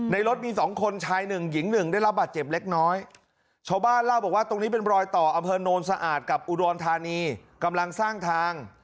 รถมีสองคนชายหนึ่งหญิงหนึ่งได้รับบาดเจ็บเล็กน้อยชาวบ้านเล่าบอกว่าตรงนี้เป็นรอยต่ออำเภอโนนสะอาดกับอุดรธานีกำลังสร้างทาง